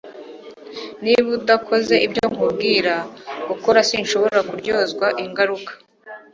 Niba udakoze ibyo nkubwira gukora sinshobora kuryozwa ingaruka